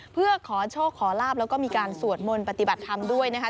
เพื่อขอโชคขอลาบแล้วก็มีการสวดมนต์ปฏิบัติธรรมด้วยนะคะ